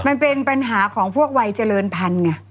มันเป็นปัญหาของพวกวัยเจริญพันธุ์ไง